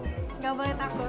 nggak boleh takut